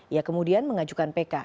ia kemudian mengajukan pk